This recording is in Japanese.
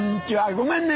ごめんね。